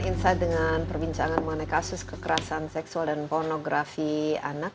insight dengan perbincangan mengenai kasus kekerasan seksual dan pornografi anak